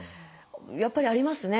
やっぱりありますね